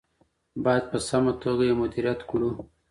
باید په سمه توګه یې مدیریت کړو.